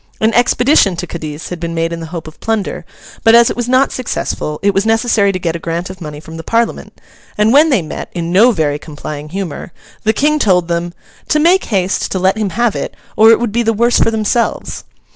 An expedition to Cadiz had been made in the hope of plunder, but as it was not successful, it was necessary to get a grant of money from the Parliament; and when they met, in no very complying humour, the King told them, 'to make haste to let him have it, or it would be the worse for themselves.